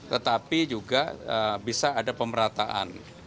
tetapi juga bisa ada pemerataan